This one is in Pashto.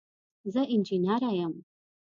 زه انجنیره یم.